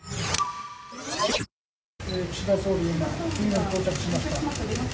岸田総理、今、キーウに到着しました。